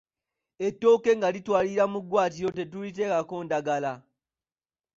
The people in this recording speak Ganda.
Ettooke nga litwalibwa mu ggwaatiro tetuliteekako ndagala.